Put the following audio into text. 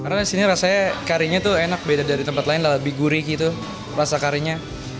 karena disini rasanya karinya tuh enak beda dari tempat lain lebih gurih gitu rasa karinya